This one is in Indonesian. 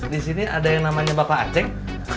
di sini ada yang namanya bapak aceh